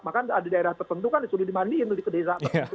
maka di daerah tertentu kan disuruh dimandiin ke desa tertentu